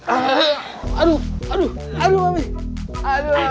ah aduh aduh aduh